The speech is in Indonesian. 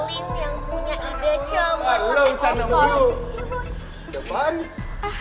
iya iya olin yang punya ada cowok